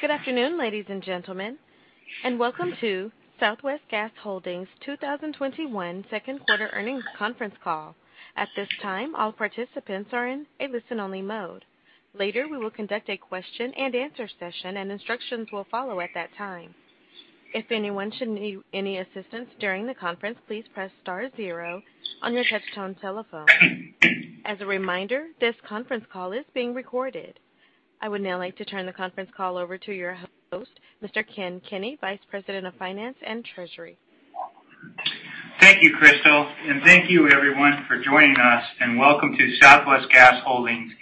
Good afternoon, ladies and gentlemen, and welcome to Southwest Gas Holdings' 2021 Q2 Earnings Conference Call. At this time, all participants are in a listen-only mode. Later, we will conduct a question-and-answer session, and instructions will follow at that time. If anyone should need any assistance during the conference, please press star zero on your touch-tone telephone. As a reminder, this conference call is being recorded. I would now like to turn the conference call over to your host, Mr. Ken Kenny, Vice President of Finance and Treasury. Thank you, Crystal, and thank you, everyone, for joining us, and welcome to Southwest Gas Holdings'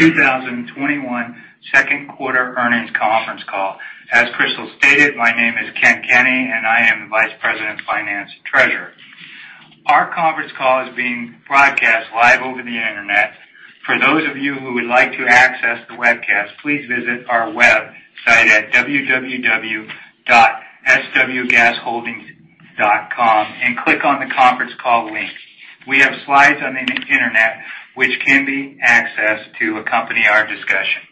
2021 Q2 Earnings Conference Call. As Crystal stated, my name is Ken Kenny, and I am the Vice President of Finance and Treasury. Our conference call is being broadcast live over the internet. For those of you who would like to access the webcast, please visit our website at www.swgasholdings.com and click on the conference call link. We have slides on the internet, which can be accessed to accompany our discussion.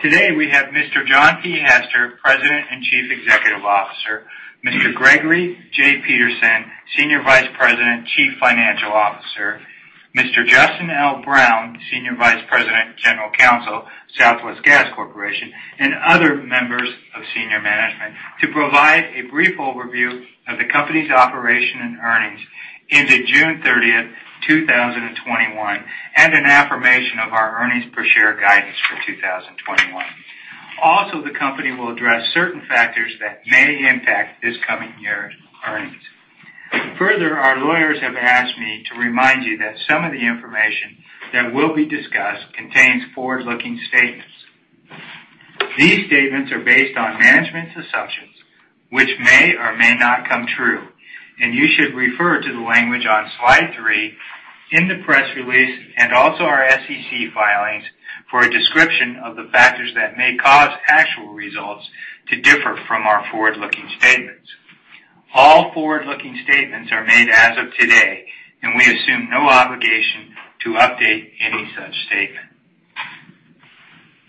Today, we have Mr. John P. Hester, President and Chief Executive Officer; Mr. Gregory J. Peterson, Senior Vice President, Chief Financial Officer; Mr. Justin L. Brown, Senior Vice President, General Counsel, Southwest Gas Corporation, and other members of senior management to provide a brief overview of the company's operation and earnings ended June 30, 2021, and an affirmation of our earnings per share guidance for 2021. Also, the company will address certain factors that may impact this coming year's earnings. Further, our lawyers have asked me to remind you that some of the information that will be discussed contains forward-looking statements. These statements are based on management's assumptions, which may or may not come true, and you should refer to the language on slide three in the press release and also our SEC filings for a description of the factors that may cause actual results to differ from our forward-looking statements. All forward-looking statements are made as of today, and we assume no obligation to update any such statement.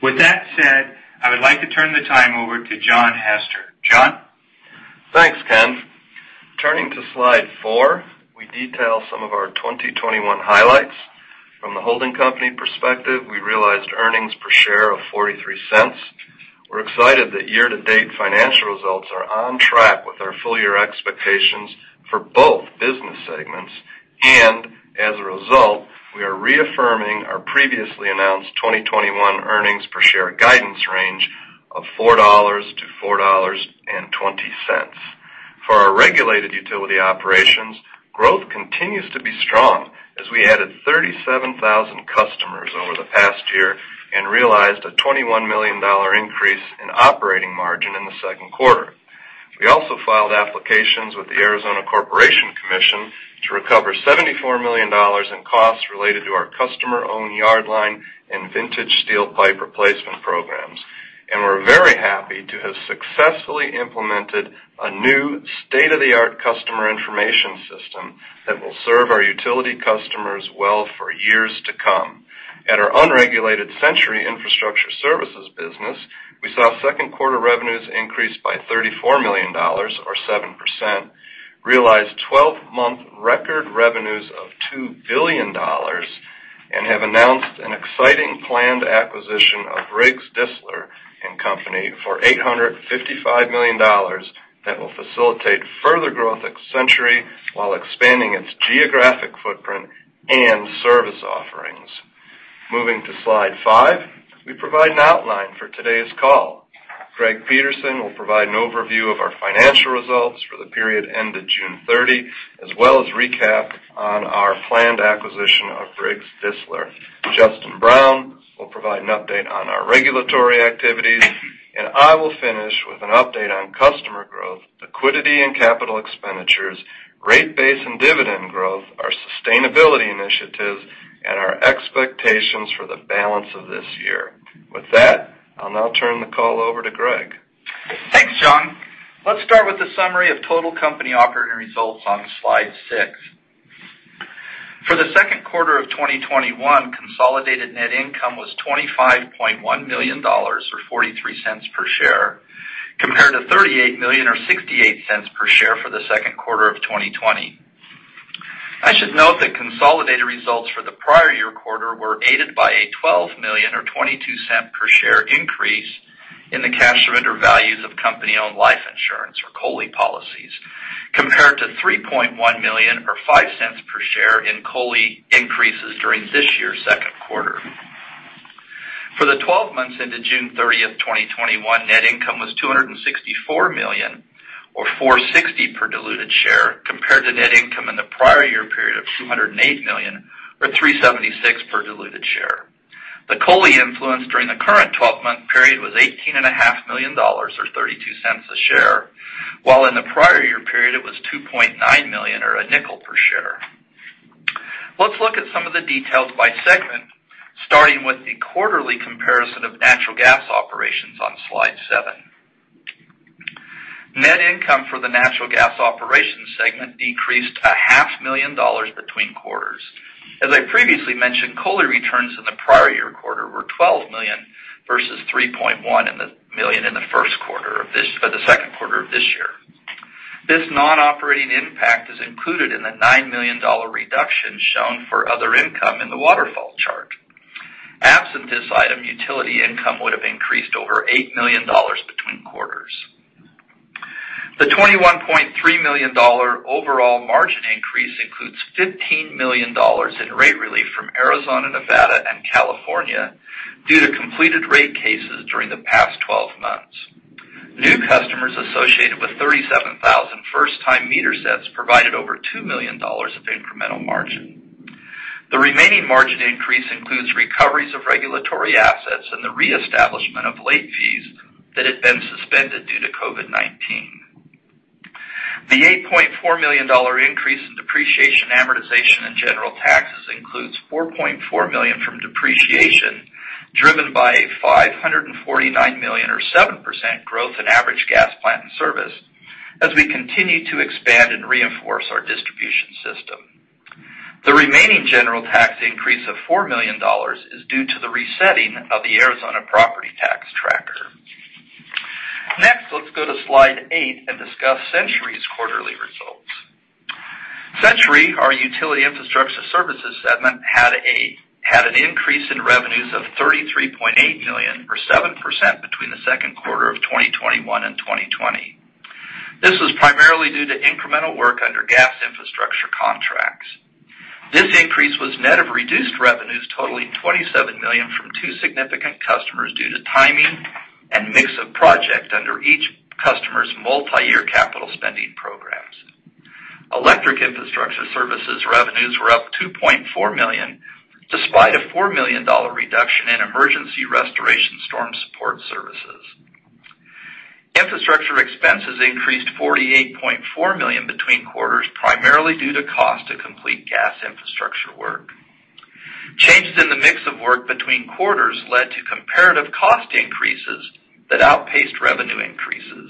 With that said, I would like to turn the time over to John Hester. John? Thanks, Ken. Turning to slide four, we detail some of our 2021 highlights. From the holding company perspective, we realized earnings per share of $0.43. We're excited that year-to-date financial results are on track with our full-year expectations for both business segments, and as a result, we are reaffirming our previously announced 2021 earnings per share guidance range of $4 to $4.20. For our regulated utility operations, growth continues to be strong as we added 37,000 customers over the past year and realized a $21 million increase in operating margin in the Q2. We also filed applications with the Arizona Corporation Commission to recover $74 million in costs related to our Customer-Owned Yard Line and Vintage Steel Pipe replacement programs, and we're very happy to have successfully implemented a new state-of-the-art customer information system that will serve our utility customers well for years to come. At our unregulated Centuri Infrastructure Services business, we saw Q2 revenues increase by $34 million, or 7%, realized 12-month record revenues of $2 billion, and have announced an exciting planned acquisition of Riggs Distler & Company for $855 million that will facilitate further growth at Centuri while expanding its geographic footprint and service offerings. Moving to slide five, we provide an outline for today's call. Greg Peterson will provide an overview of our financial results for the period ended June 30, as well as recap on our planned acquisition of Riggs Distler. Justin Brown will provide an update on our regulatory activities, and I will finish with an update on customer growth, liquidity and capital expenditures, rate base and dividend growth, our sustainability initiatives, and our expectations for the balance of this year. With that, I'll now turn the call over to Greg. Thanks, John. Let's start with a summary of total company operating results on slide six. For the Q2 of 2021, consolidated net income was $25.1 million, or $0.43 per share, compared to $38 million, or $0.68 per share for the Q2 of 2020. I should note that consolidated results for the prior year quarter were aided by a $12 million, or $0.22 per share increase in the cash surrender values of company-owned life insurance, or COLI policies, compared to $3.1 million, or $0.05 per share in COLI increases during this year's Q2. For the 12 months ended June 30, 2021, net income was $264 million, or $4.60 per diluted share, compared to net income in the prior year period of $208 million, or $3.76 per diluted share. The COLI influence during the current 12-month period was $18.5 million, or $0.32 a share, while in the prior year period it was $2.9 million, or $0.05 per share. Let's look at some of the details by segment, starting with the quarterly comparison of Natural Gas Operations on slide seven. Net income for the Natural Gas Operations segment decreased $500,000 between quarters. As I previously mentioned, COLI returns in the prior year quarter were $12 million versus $3.1 million in the Q2 of this year. This non-operating impact is included in the $9 million reduction shown for other income in the waterfall chart. Absent this item, utility income would have increased over $8 million between quarters. The $21.3 million overall margin increase includes $15 million in rate relief from Arizona, Nevada, and California due to completed rate cases during the past 12 months. New customers associated with 37,000 first-time meter sets provided over $2 million of incremental margin. The remaining margin increase includes recoveries of regulatory assets and the reestablishment of late fees that had been suspended due to COVID-19. The $8.4 million increase in depreciation, amortization, and general taxes includes $4.4 million from depreciation driven by a $549 million, or 7% growth in average gas plant and service as we continue to expand and reinforce our distribution system. The remaining general tax increase of $4 million is due to the resetting of the Arizona Property Tax tracker. Next, let's go to slide eight and discuss Centuri's quarterly results. Centuri, our Utility Infrastructure Services segment, had an increase in revenues of $33.8 million, or 7%, between the Q2 of 2021 and 2020. This was primarily due to incremental work under gas infrastructure contracts. This increase was net of reduced revenues totaling $27 million from two significant customers due to timing and mix of project under each customer's multi-year capital spending programs. Electric infrastructure services revenues were up $2.4 million despite a $4 million reduction in emergency restoration storm support services. Infrastructure expenses increased $48.4 million between quarters primarily due to cost to complete gas infrastructure work. Changes in the mix of work between quarters led to comparative cost increases that outpaced revenue increases.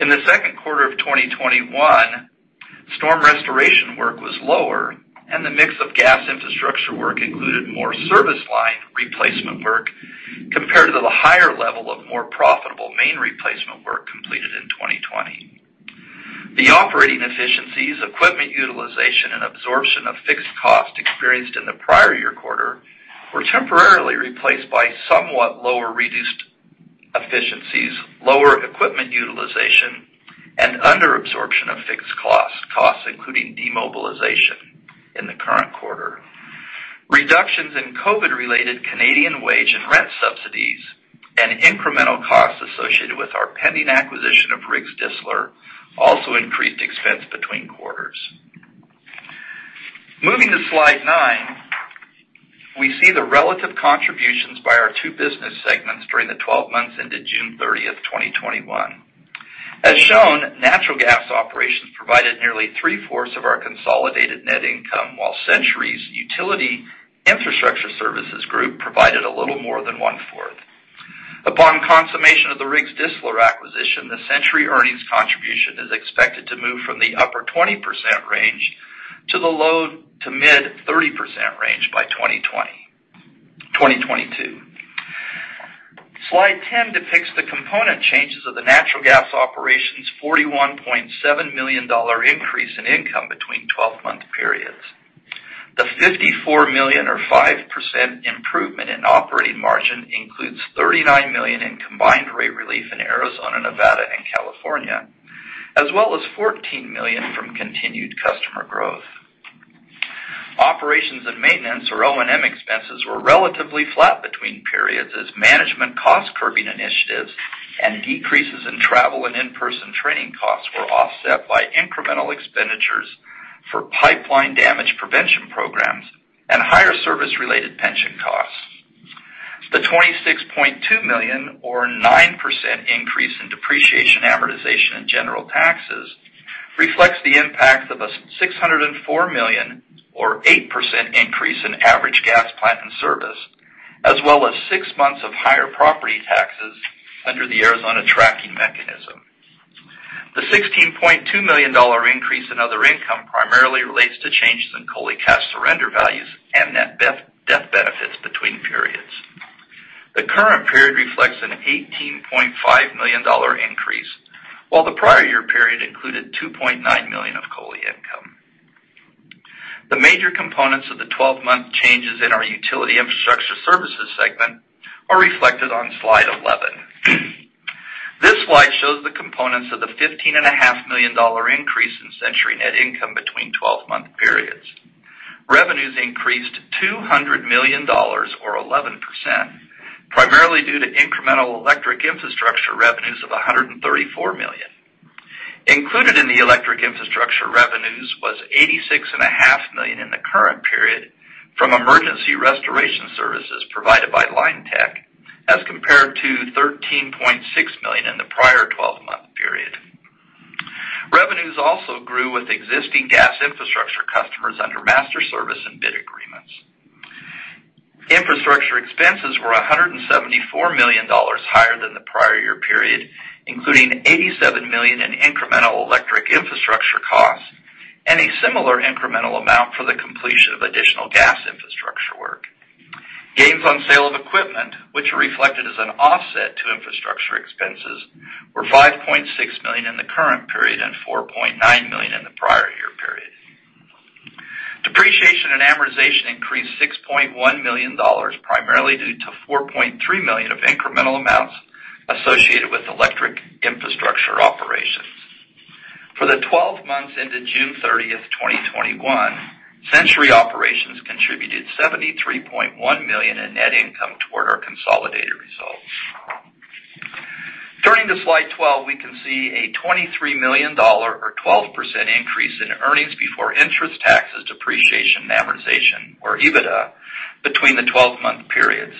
In the Q2 of 2021, storm restoration work was lower, and the mix of gas infrastructure work included more service line replacement work compared to the higher level of more profitable main replacement work completed in 2020. The operating efficiencies, equipment utilization, and absorption of fixed costs experienced in the prior year quarter were temporarily replaced by somewhat lower reduced efficiencies, lower equipment utilization, and under-absorption of fixed costs, including demobilization in the current quarter. Reductions in COVID-related Canadian wage and rent subsidies and incremental costs associated with our pending acquisition of Riggs Distler & Company also increased expense between quarters. Moving to slide nine, we see the relative contributions by our two business segments during the 12 months ended June 30, 2021. As shown, Natural Gas Operations provided nearly three-fourths of our consolidated net income, while Centuri's Utility Infrastructure Services group provided a little more than one-fourth. Upon consummation of the Riggs Distler acquisition, the Centuri earnings contribution is expected to move from the upper 20% range to the low- to mid-30% range by 2022. Slide 10 depicts the component changes of the Natural Gas Operations' $41.7 million increase in income between 12-month periods. The $54 million, or 5%, improvement in operating margin includes $39 million in combined rate relief in Arizona, Nevada, and California, as well as $14 million from continued customer growth. Operations and maintenance, or O&M, expenses were relatively flat between periods as management cost curbing initiatives and decreases in travel and in-person training costs were offset by incremental expenditures for pipeline damage prevention programs and higher service-related pension costs. The $26.2 million, or 9% increase in depreciation, amortization, and general taxes reflects the impact of a $604 million, or 8% increase in average gas plant and service, as well as six months of higher property taxes under the Arizona tracking mechanism. The $16.2 million increase in other income primarily relates to changes in COLI cash surrender values and net death benefits between periods. The current period reflects an $18.5 million increase, while the prior year period included $2.9 million of COLI income. The major components of the 12-month changes in our Utility Infrastructure Services segment are reflected on slide 11. This slide shows the components of the $15.5 million increase in Centuri net income between 12-month periods. Revenues increased $200 million, or 11%, primarily due to incremental electric infrastructure revenues of $134 million. Included in the electric infrastructure revenues was $86.5 million in the current period from emergency restoration services provided by Linetec, as compared to $13.6 million in the prior 12-month period. Revenues also grew with existing gas infrastructure customers under master service and bid agreements. Infrastructure expenses were $174 million higher than the prior year period, including $87 million in incremental electric infrastructure costs and a similar incremental amount for the completion of additional gas infrastructure work. Gains on sale of equipment, which are reflected as an offset to infrastructure expenses, were $5.6 million in the current period and $4.9 million in the prior year period. Depreciation and amortization increased $6.1 million, primarily due to $4.3 million of incremental amounts associated with electric infrastructure operations. For the 12 months ended 30 June 2021, Centuri operations contributed $73.1 million in net income toward our consolidated results. Turning to slide 12, we can see a $23 million, or 12% increase in earnings before interest, taxes, depreciation, and amortization, or EBITDA, between the 12-month periods.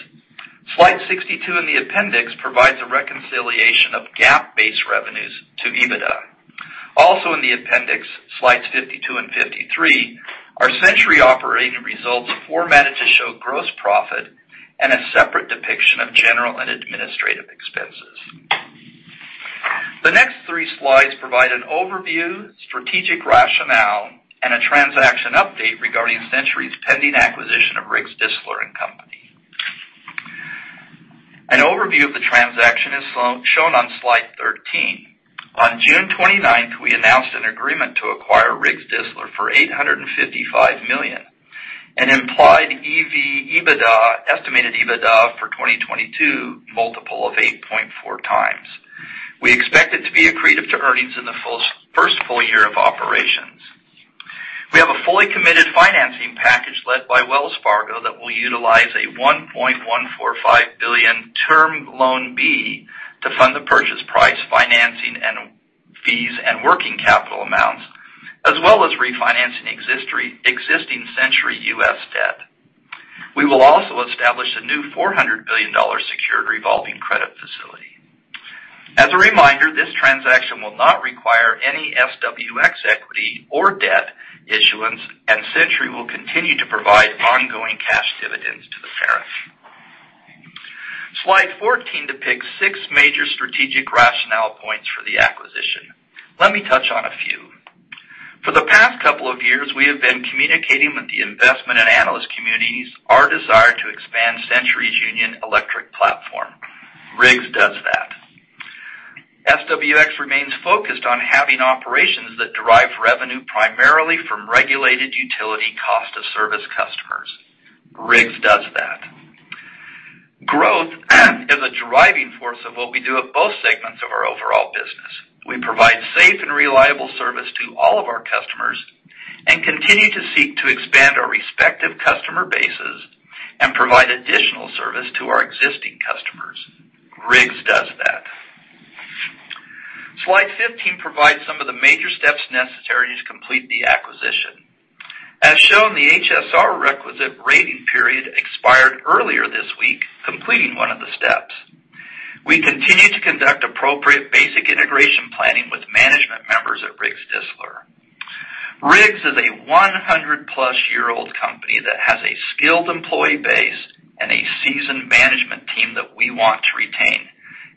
Slide 62 in the appendix provides a reconciliation of GAAP-based revenues to EBITDA. Also in the appendix, slides 52 and 53, are Centuri operating results formatted to show gross profit and a separate depiction of general and administrative expenses. The next three slides provide an overview, strategic rationale, and a transaction update regarding Centuri's pending acquisition of Riggs Distler & Company. An overview of the transaction is shown on slide 13. On June 29, we announced an agreement to acquire Riggs Distler for $855 million and implied estimated EBITDA for 2022, multiple of 8.4x. We expect it to be accretive to earnings in the first full year of operations. We have a fully committed financing package led by Wells Fargo that will utilize a $1.145 billion Term Loan B to fund the purchase price, financing, fees, and working capital amounts, as well as refinancing existing Centuri US debt. We will also establish a new $400 million secured revolving credit facility. As a reminder, this transaction will not require any SWX equity or debt issuance, and Centuri will continue to provide ongoing cash dividends to the parents. Slide 14 depicts six major strategic rationale points for the acquisition. Let me touch on a few. For the past couple of years, we have been communicating with the investment and analyst communities our desire to expand Centuri's union electric platform. Riggs does that. SWX remains focused on having operations that derive revenue primarily from regulated utility cost of service customers. Riggs does that. Growth is a driving force of what we do at both segments of our overall business. We provide safe and reliable service to all of our customers and continue to seek to expand our respective customer bases and provide additional service to our existing customers. Riggs does that. Slide 15 provides some of the major steps necessary to complete the acquisition. As shown, the HSR requisite waiting period expired earlier this week, completing one of the steps. We continue to conduct appropriate basic integration planning with management members at Riggs Distler. Riggs is a 100-plus-year-old company that has a skilled employee base and a seasoned management team that we want to retain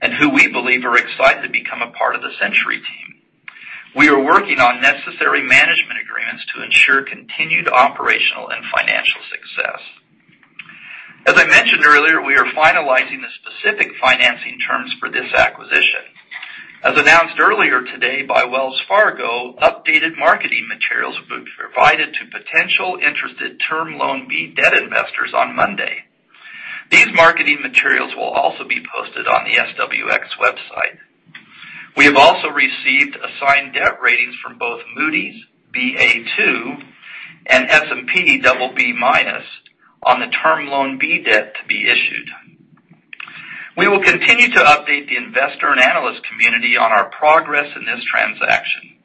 and who we believe are excited to become a part of the Centuri team. We are working on necessary management agreements to ensure continued operational and financial success. As I mentioned earlier, we are finalizing the specific financing terms for this acquisition. As announced earlier today by Wells Fargo, updated marketing materials will be provided to potential interested Term Loan B debt investors on Monday. These marketing materials will also be posted on the SWX website. We have also received assigned debt ratings from both Moody's, Ba2, and S&P BB- on the Term Loan B debt to be issued. We will continue to update the investor and analyst community on our progress in this transaction.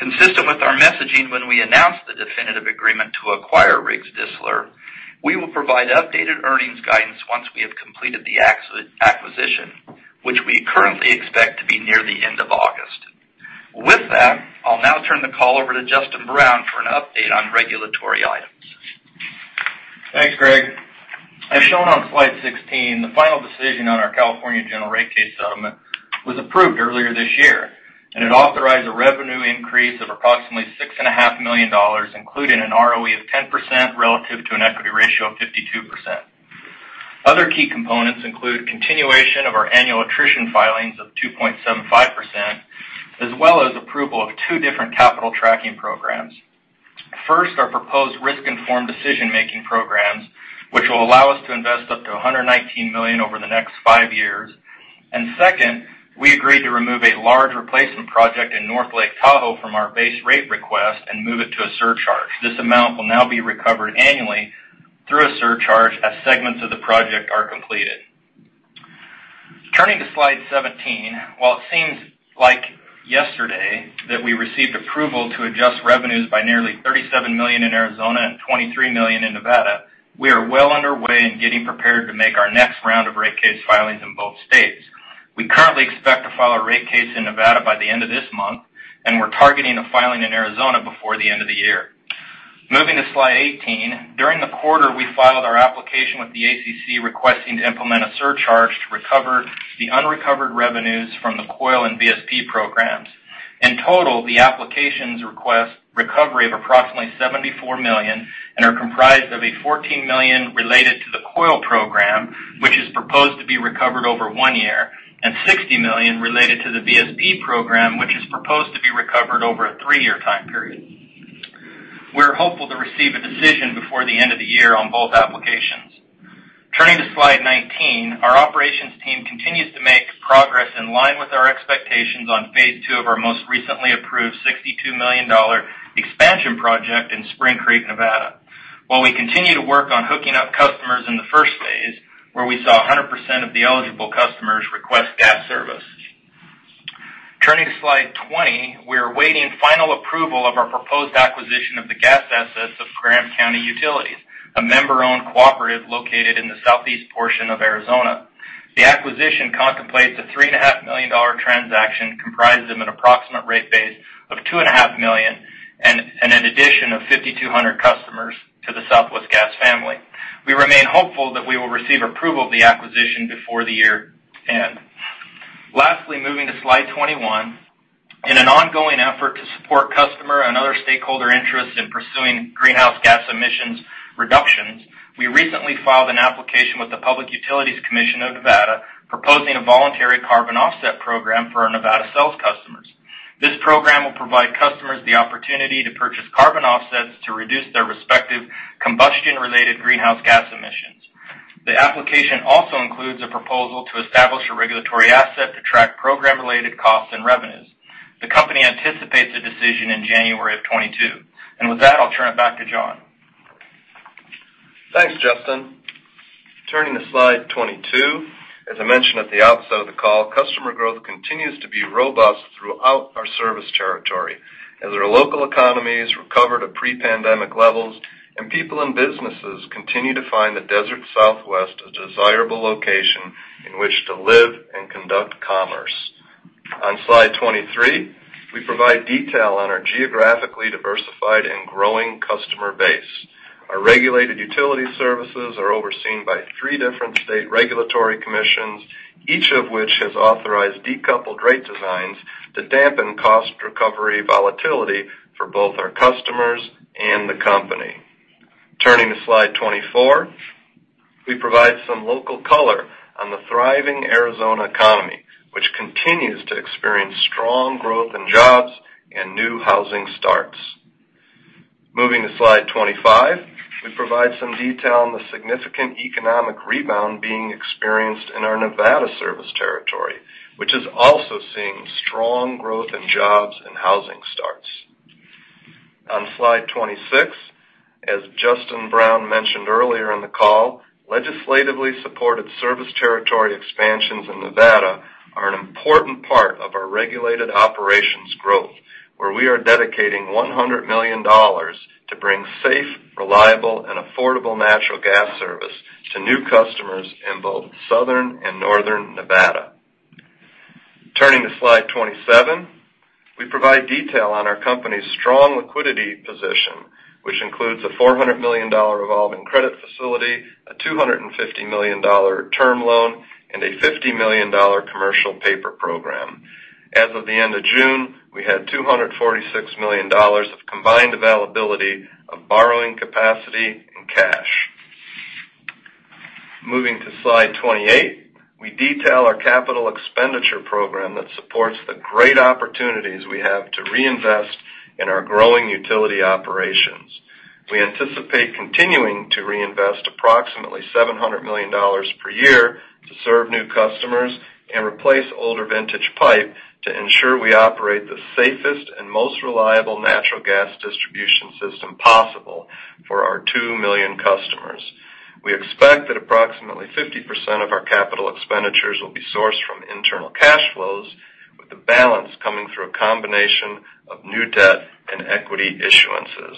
Consistent with our messaging when we announced the definitive agreement to acquire Riggs Distler & Company, we will provide updated earnings guidance once we have completed the acquisition, which we currently expect to be near the end of August. With that, I'll now turn the call over to Justin Brown for an update on regulatory items. Thanks, Greg. As shown on slide 16, the final decision on our California general rate case settlement was approved earlier this year, and it authorized a revenue increase of approximately $6.5 million, including an ROE of 10% relative to an equity ratio of 52%. Other key components include continuation of our annual attrition filings of 2.75%, as well as approval of two different capital tracking programs. First, our proposed Risk-Informed Decision-Making programs, which will allow us to invest up to $119 million over the next five years. Second, we agreed to remove a large replacement project in North Lake Tahoe from our base rate request and move it to a surcharge. This amount will now be recovered annually through a surcharge as segments of the project are completed. Turning to slide 17, while it seems like yesterday that we received approval to adjust revenues by nearly $37 million in Arizona and $23 million in Nevada, we are well underway in getting prepared to make our next round of rate case filings in both states. We currently expect to file a rate case in Nevada by the end of this month, and we're targeting a filing in Arizona before the end of the year. Moving to slide 18, during the quarter, we filed our application with the ACC requesting to implement a surcharge to recover the unrecovered revenues from the COYL and VSP programs. In total, the applications request recovery of approximately $74 million and are comprised of $14 million related to the COYL program, which is proposed to be recovered over one year, and $60 million related to the VSP program, which is proposed to be recovered over a three-year time period. We're hopeful to receive a decision before the end of the year on both applications. Turning to slide 19, our operations team continues to make progress in line with our expectations on phase two of our most recently approved $62 million expansion project in Spring Creek, Nevada, while we continue to work on hooking up customers in the first phase, where we saw 100% of the eligible customers request gas service. Turning to slide 20, we are awaiting final approval of our proposed acquisition of the gas assets of Graham County Utilities, a member-owned cooperative located in the southeast portion of Arizona. The acquisition contemplates a $3.5 million transaction comprised of an approximate rate base of $2.5 million and an addition of 5,200 customers to the Southwest Gas family. We remain hopeful that we will receive approval of the acquisition before the year end. Lastly, moving to slide 21, in an ongoing effort to support customer and other stakeholder interests in pursuing greenhouse gas emissions reductions, we recently filed an application with the Public Utilities Commission of Nevada proposing a voluntary carbon offset program for our Nevada sales customers. This program will provide customers the opportunity to purchase carbon offsets to reduce their respective combustion-related greenhouse gas emissions. The application also includes a proposal to establish a regulatory asset to track program-related costs and revenues. The company anticipates a decision in January of 2022. With that, I'll turn it back to John. Thanks, Justin. Turning to slide 22, as I mentioned at the outset of the call, customer growth continues to be robust throughout our service territory as our local economies recover to pre-pandemic levels and people and businesses continue to find the desert Southwest a desirable location in which to live and conduct commerce. On slide 23, we provide detail on our geographically diversified and growing customer base. Our regulated utility services are overseen by three different state regulatory commissions, each of which has authorized decoupled rate designs to dampen cost recovery volatility for both our customers and the company. Turning to slide 24, we provide some local color on the thriving Arizona economy, which continues to experience strong growth in jobs and new housing starts. Moving to slide 25, we provide some detail on the significant economic rebound being experienced in our Nevada service territory, which is also seeing strong growth in jobs and housing starts. On slide 26, as Justin Brown mentioned earlier in the call, legislatively supported service territory expansions in Nevada are an important part of our regulated operations growth, where we are dedicating $100 million to bring safe, reliable, and affordable natural gas service to new customers in both southern and northern Nevada. Turning to slide 27, we provide detail on our company's strong liquidity position, which includes a $400 million revolving credit facility, a $250 million term loan, and a $50 million commercial paper program. As of the end of June, we had $246 million of combined availability of borrowing capacity and cash. Moving to slide 28, we detail our capital expenditure program that supports the great opportunities we have to reinvest in our growing utility operations. We anticipate continuing to reinvest approximately $700 million per year to serve new customers and replace older vintage pipe to ensure we operate the safest and most reliable natural gas distribution system possible for our 2 million customers. We expect that approximately 50% of our capital expenditures will be sourced from internal cash flows, with the balance coming through a combination of new debt and equity issuances.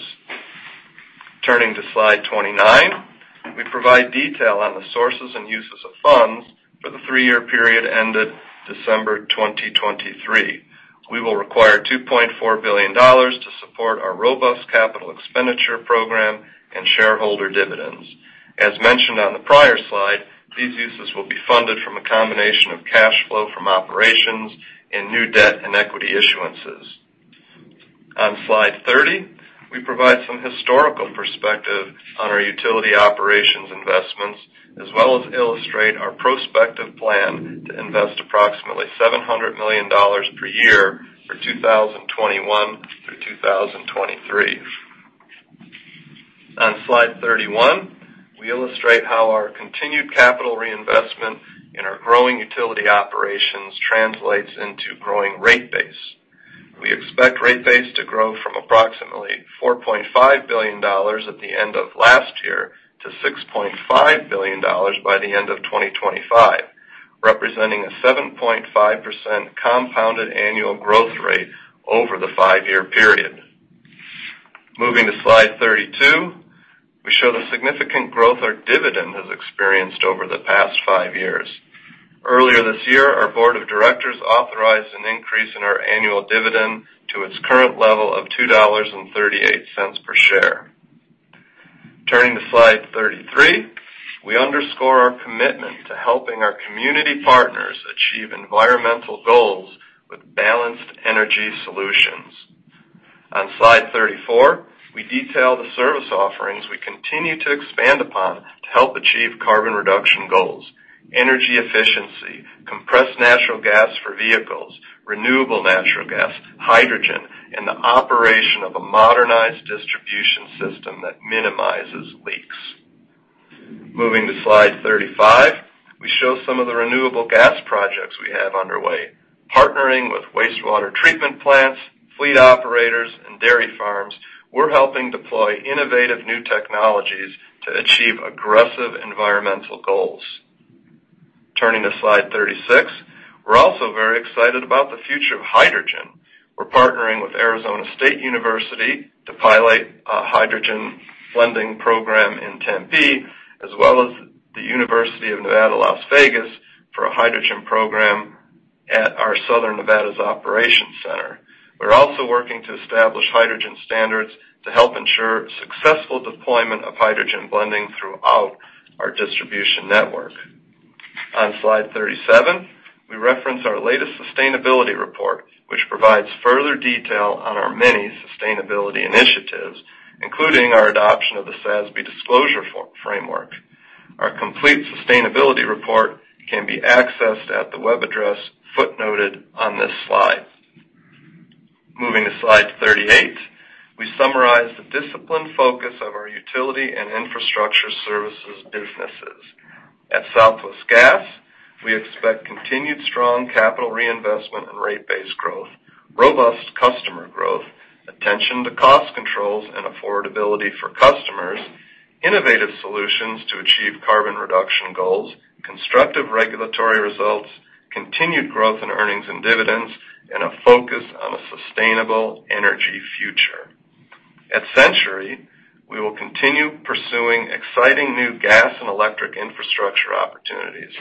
Turning to slide 29, we provide detail on the sources and uses of funds for the three-year period ended December 2023. We will require $2.4 billion to support our robust capital expenditure program and shareholder dividends. As mentioned on the prior slide, these uses will be funded from a combination of cash flow from operations and new debt and equity issuances. On slide 30, we provide some historical perspective on our utility operations investments, as well as illustrate our prospective plan to invest approximately $700 million per year for 2021 through 2023. On slide 31, we illustrate how our continued capital reinvestment in our growing utility operations translates into growing rate base. We expect rate base to grow from approximately $4.5 billion at the end of last year to $6.5 billion by the end of 2025, representing a 7.5% compounded annual growth rate over the five-year period. Moving to slide 32, we show the significant growth our dividend has experienced over the past five years. Earlier this year, our board of directors authorized an increase in our annual dividend to its current level of $2.38 per share. Turning to slide 33, we underscore our commitment to helping our community partners achieve environmental goals with balanced energy solutions. On slide 34, we detail the service offerings we continue to expand upon to help achieve carbon reduction goals, energy efficiency, compressed natural gas for vehicles, renewable natural gas, hydrogen, and the operation of a modernized distribution system that minimizes leaks. Moving to slide 35, we show some of the renewable gas projects we have underway. Partnering with wastewater treatment plants, fleet operators, and dairy farms, we're helping deploy innovative new technologies to achieve aggressive environmental goals. Turning to slide 36, we're also very excited about the future of hydrogen. We're partnering with Arizona State University to pilot a hydrogen blending program in Tempe, as well as the University of Nevada, Las Vegas, for a hydrogen program at our Southern Nevada operations center. We're also working to establish hydrogen standards to help ensure successful deployment of hydrogen blending throughout our distribution network. On slide 37, we reference our latest sustainability report, which provides further detail on our many sustainability initiatives, including our adoption of the SASB disclosure framework. Our complete sustainability report can be accessed at the web address footnoted on this slide. Moving to slide 38, we summarize the disciplined focus of our utility and infrastructure services businesses. At Southwest Gas, we expect continued strong capital reinvestment and rate base growth, robust customer growth, attention to cost controls and affordability for customers, innovative solutions to achieve carbon reduction goals, constructive regulatory results, continued growth in earnings and dividends, and a focus on a sustainable energy future. At Centuri, we will continue pursuing exciting new gas and electric infrastructure opportunities,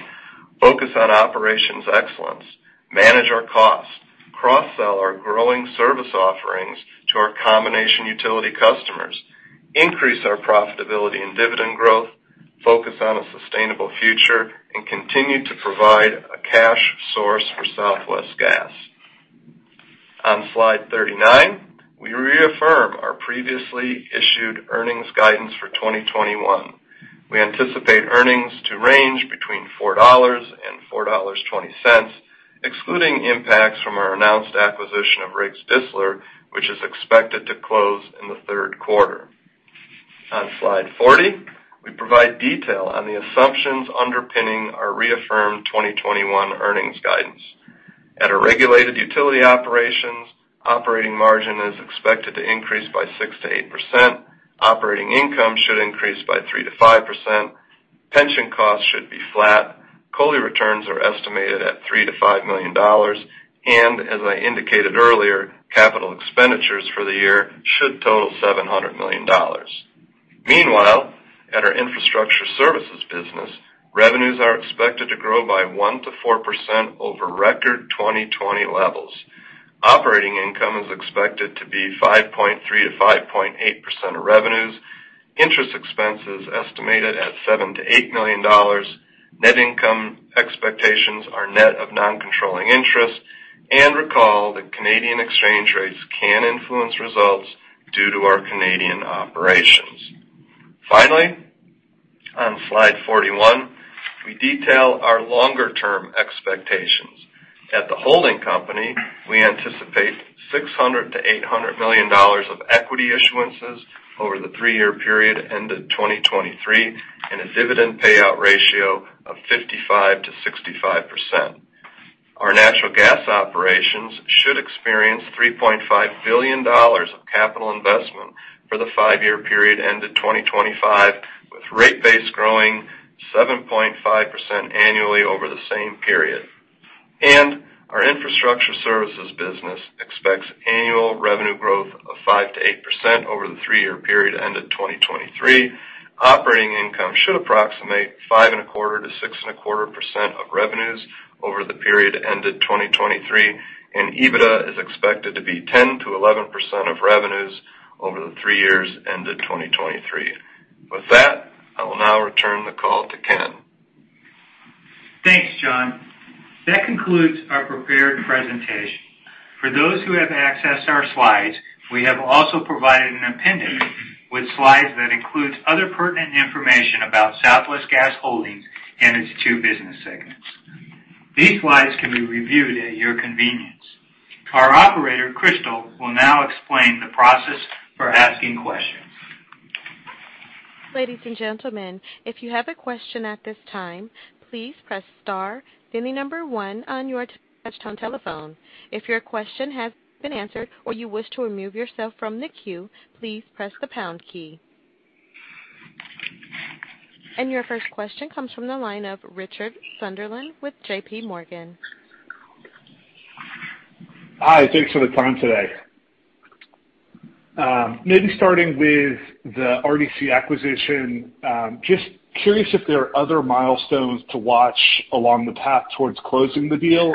focus on operations excellence, manage our costs, cross-sell our growing service offerings to our combination utility customers, increase our profitability and dividend growth, focus on a sustainable future, and continue to provide a cash source for Southwest Gas. On slide 39, we reaffirm our previously issued earnings guidance for 2021. We anticipate earnings to range between $4 and $4.20, excluding impacts from our announced acquisition of Riggs Distler & Company, which is expected to close in the Q3. On slide 40, we provide detail on the assumptions underpinning our reaffirmed 2021 earnings guidance. At our regulated utility operations, operating margin is expected to increase by 6 to 8%. Operating income should increase by 3 to 5%. Pension costs should be flat. COLI returns are estimated at $3 to 5 million. As I indicated earlier, capital expenditures for the year should total $700 million. Meanwhile, at our infrastructure services business, revenues are expected to grow by 1 to 4% over record 2020 levels. Operating income is expected to be 5.3 to 5.8% of revenues. Interest expense is estimated at $7 to 8 million. Net income expectations are net of non-controlling interest. Recall that Canadian exchange rates can influence results due to our Canadian operations. Finally, on slide 41, we detail our longer-term expectations. At the holding company, we anticipate $600 to $800 million of equity issuances over the three-year period ended 2023 and a dividend payout ratio of 55% to 65%. Our Natural Gas Operations should experience $3.5 billion of capital investment for the five-year period ended 2025, with rate base growing 7.5% annually over the same period. Our infrastructure services business expects annual revenue growth of 5% to 8% over the three-year period ended 2023. Operating income should approximate 5.25% to 6.25% of revenues over the period ended 2023. EBITDA is expected to be 10% to 11% of revenues over the three years ended 2023. With that, I will now return the call to Ken. Thanks, John. That concludes our prepared presentation. For those who have accessed our slides, we have also provided an appendix with slides that include other pertinent information about Southwest Gas Holdings and its two business segments. These slides can be reviewed at your convenience. Our operator, Crystal, will now explain the process for asking questions. Ladies and gentlemen, if you have a question at this time, please press star, then the number one on your touch-tone telephone. If your question has been answered or you wish to remove yourself from the queue, please press the pound key. Your first question comes from the line of Richard Sunderland with J.P. Morgan. Hi. Thanks for the time today. Maybe starting with the RDC acquisition, just curious if there are other milestones to watch along the path towards closing the deal.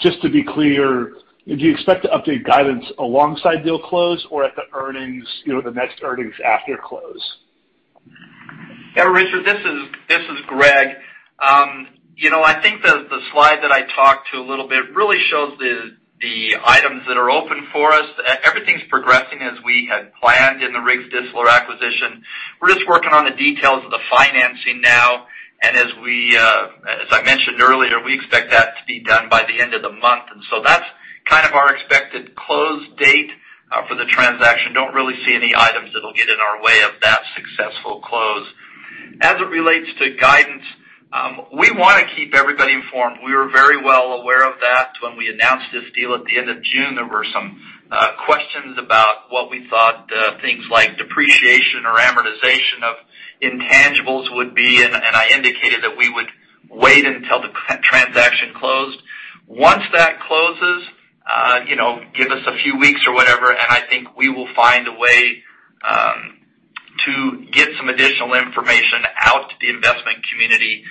Just to be clear, do you expect to update guidance alongside deal close or at the earnings, the next earnings after close? Yeah, Richard, this is Greg. I think the slide that I talked to a little bit really shows the items that are open for us. Everything's progressing as we had planned in the Riggs Distler acquisition. We're just working on the details of the financing now. As I mentioned earlier, we expect that to be done by the end of the month. That's kind of our expected close date for the transaction. I don't really see any items that will get in our way of that successful close. As it relates to guidance, we want to keep everybody informed. We are very well aware of that. When we announced this deal at the end of June, there were some questions about what we thought things like depreciation or amortization of intangibles would be. I indicated that we would wait until the transaction closed. Once that closes, give us a few weeks or whatever. I think we will find a way to get some additional information out to the investment community.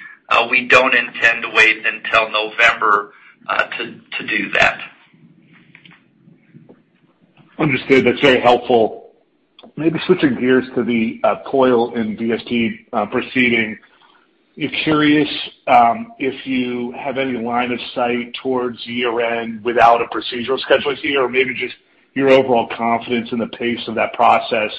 We do not intend to wait until November to do that. Understood. That is very helpful. Maybe switching gears to the COYL and VSP proceeding. Curious if you have any line of sight towards year-end without a procedural schedule this year, or maybe just your overall confidence in the pace of that process,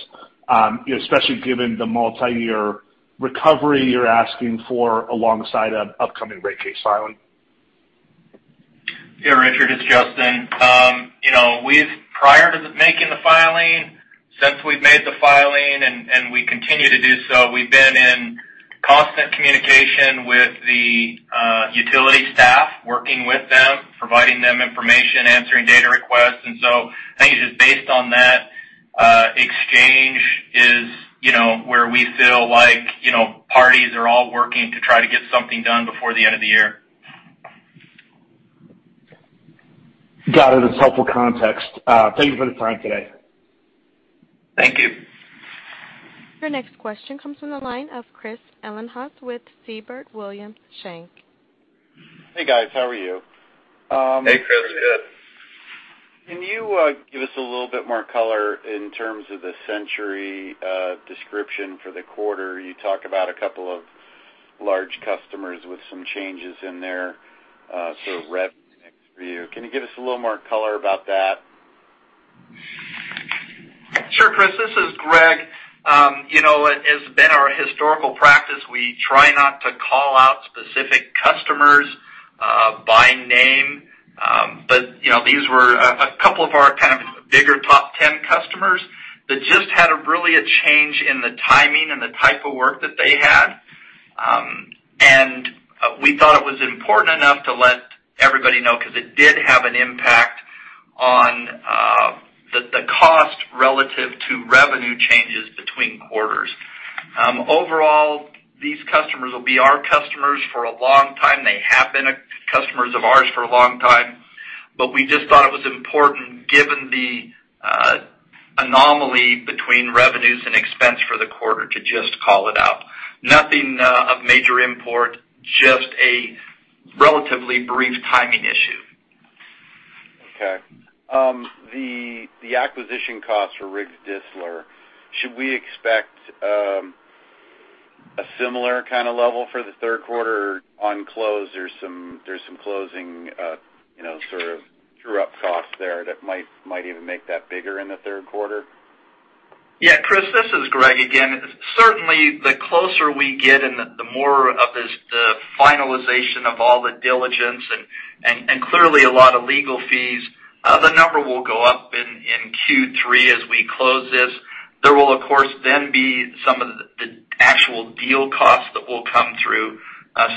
especially given the multi-year recovery you are asking for alongside an upcoming rate case filing. Yeah, Richard, it is Justin. Prior to making the filing, since we've made the filing and we continue to do so, we've been in constant communication with the utility staff, working with them, providing them information, answering data requests. I think it's just based on that exchange is where we feel like parties are all working to try to get something done before the end of the year. Got it. That's helpful context. Thank you for the time today. Thank you. Our next question comes from the line of Chris Ellinghaus with Siebert Williams Shank. Hey, guys. How are you? Hey, Chris. Good. Can you give us a little bit more color in terms of the Centuri description for the quarter? You talk about a couple of large customers with some changes in their sort of revenue mix for you. Can you give us a little more color about that? Sure, Chris. This is Greg. As has been our historical practice, we try not to call out specific customers by name. These were a couple of our kind of bigger top 10 customers that just had really a change in the timing and the type of work that they had. We thought it was important enough to let everybody know because it did have an impact on the cost relative to revenue changes between quarters. Overall, these customers will be our customers for a long time. They have been customers of ours for a long time. We just thought it was important, given the anomaly between revenues and expense for the quarter, to just call it out. Nothing of major import, just a relatively brief timing issue. Okay. The acquisition costs for Riggs Distler, should we expect a similar kind of level for the Q3 on close? There's some closing sort of true-up costs there that might even make that bigger in the Q3. Yeah, Chris, this is Greg again. Certainly, the closer we get and the more of the finalization of all the diligence and clearly a lot of legal fees, the number will go up in Q3 as we close this. There will, of course, then be some of the actual deal costs that will come through.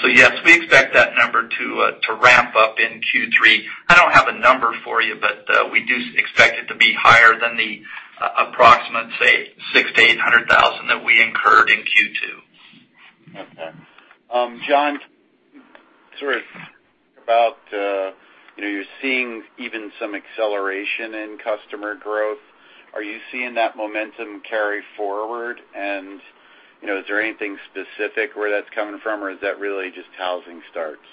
Yes, we expect that number to ramp up in Q3. I don't have a number for you, but we do expect it to be higher than the approximate, say, 600,000 to 800,000 that we incurred in Q2. Okay. John, sort of about you're seeing even some acceleration in customer growth. Are you seeing that momentum carry forward? Is there anything specific where that's coming from, or is that really just housing starts?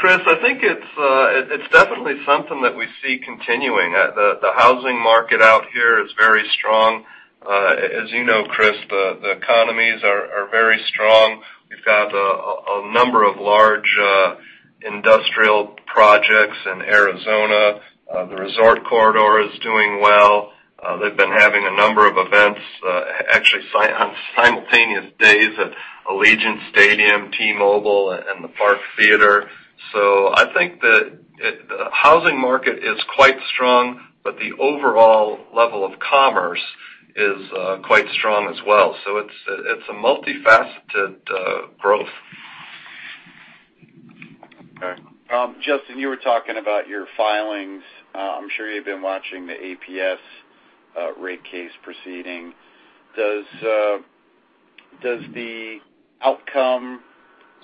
Chris, I think it's definitely something that we see continuing. The housing market out here is very strong. As you know, Chris, the economies are very strong. We've got a number of large industrial projects in Arizona. The resort corridor is doing well. They've been having a number of events, actually on simultaneous days, at Allegiant Stadium, T-Mobile, and the Park Theater. I think the housing market is quite strong, but the overall level of commerce is quite strong as well. It's a multifaceted growth. Okay. Justin, you were talking about your filings. I'm sure you've been watching the APS rate case proceeding. Does the outcome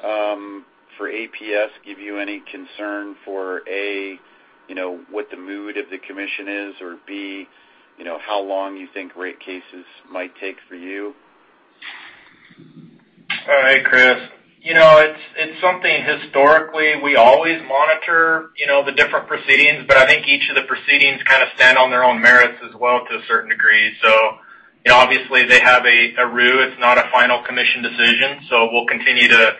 for APS give you any concern for, A, what the mood of the commission is, or, B, how long you think rate cases might take for you? Hey, Chris. It's something historically we always monitor the different proceedings, but I think each of the proceedings kind of stand on their own merits as well to a certain degree. Obviously, they have a root. It's not a final commission decision. We'll continue to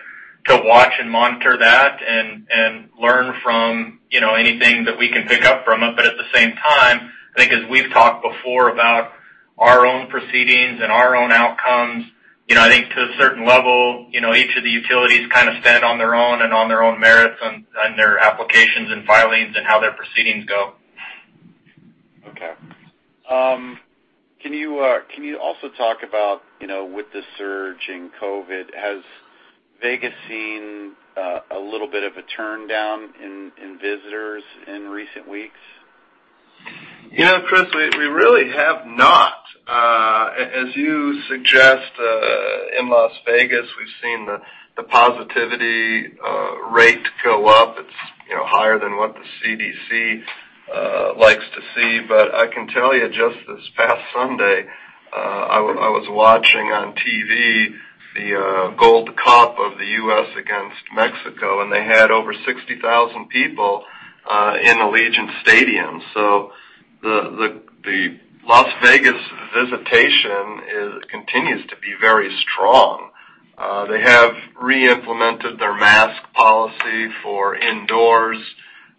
watch and monitor that and learn from anything that we can pick up from it. At the same time, I think as we've talked before about our own proceedings and our own outcomes, I think to a certain level, each of the utilities kind of stand on their own and on their own merits and their applications and filings and how their proceedings go. Okay. Can you also talk about with the surge in COVID, has Vegas seen a little bit of a turndown in visitors in recent weeks? Yeah, Chris, we really have not. As you suggest in Las Vegas, we've seen the positivity rate go up. It's higher than what the CDC likes to see. I can tell you just this past Sunday, I was watching on TV the Gold Cup of the US against Mexico, and they had over 60,000 people in Allegiant Stadium. The Las Vegas visitation continues to be very strong. They have reimplemented their mask policy for indoors.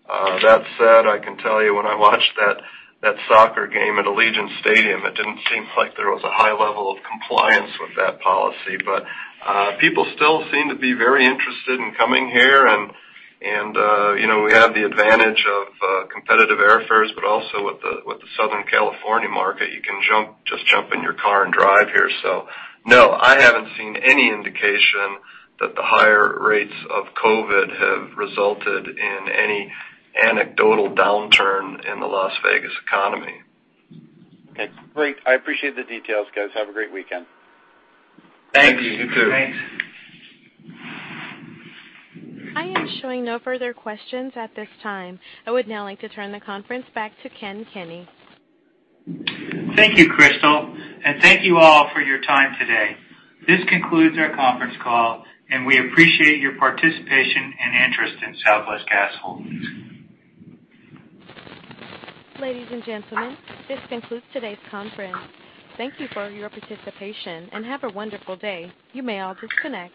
That said, I can tell you when I watched that soccer game at Allegiant Stadium, it didn't seem like there was a high level of compliance with that policy. People still seem to be very interested in coming here. We have the advantage of competitive airfares, but also with the Southern California market, you can just jump in your car and drive here. No, I haven't seen any indication that the higher rates of COVID have resulted in any anecdotal downturn in the Las Vegas economy. Okay. Great. I appreciate the details, guys. Have a great weekend. Thank you. You too. Thanks. I am showing no further questions at this time. I would now like to turn the conference back to Ken Kenny. Thank you, Crystal. And thank you all for your time today. This concludes our conference call, and we appreciate your participation and interest in Southwest Gas Holdings. Ladies and gentlemen, this concludes today's conference. Thank you for your participation and have a wonderful day. You may all disconnect.